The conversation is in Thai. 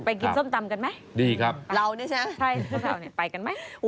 กินส้มตำกันไหมดีครับเรานี่ใช่ไหมไปกันไหม